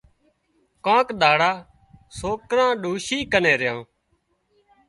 ڪانڪ ۮاڙا سوڪران ڏوشِي ڪنين ريا